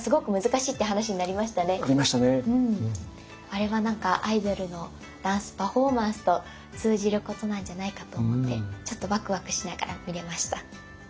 あれは何かアイドルのダンスパフォーマンスと通じることなんじゃないかと思ってちょっとワクワクしながら見れました。